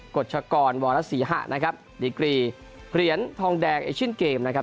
กฎฉกรวันละสี่ห้านะครับดิกรีเหรียญทองแดงนะครับ